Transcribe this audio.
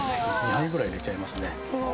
２杯ぐらい入れちゃいますね。